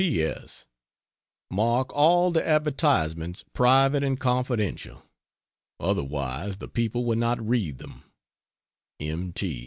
P.S. Mark all the advertisements "Private and Confidential," otherwise the people will not read them. M.